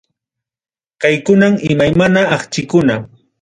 Kaykunam imaynama akchikuna.